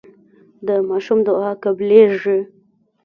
د ماشوم دعا قبليږي.